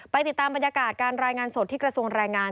ติดตามบรรยากาศการรายงานสดที่กระทรวงแรงงาน